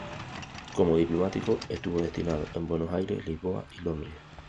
Como diplomático estuvo destinado en Buenos Aires, Lisboa y Londres.